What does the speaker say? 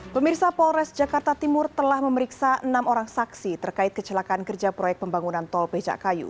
pemirsa polres jakarta timur telah memeriksa enam orang saksi terkait kecelakaan kerja proyek pembangunan tol becakayu